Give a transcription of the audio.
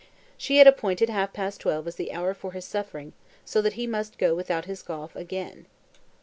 She had appointed half past twelve as the hour for his suffering, so that he must go without his golf again.